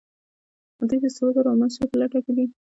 دوی د سرو زرو او مسو په لټه دي.